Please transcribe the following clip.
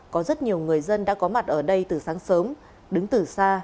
có rất nhiều người dân đã có mặt ở đây từ sáng sớm đứng từ xa